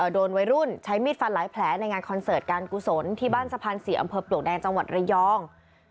โดนวัยรุ่นใช้มีดฟันหลายแผลในงานคอนเสิร์ตการกุศลที่บ้านสะพาน๔อำเภอปลวกแดงจังหวัดระยอง